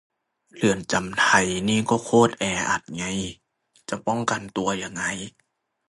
เรือนจำไทยนี่ก็โคตรแออัดไง จะป้องกันตัวยังไง